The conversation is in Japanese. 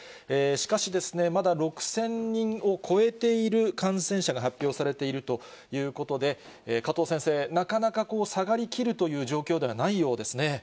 しかしですね、まだ６０００人を超えている感染者が発表されているということで、加藤先生、なかなか下がりきるという状況ではないようですね。